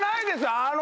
あの。